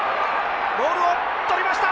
ボールを捕りました。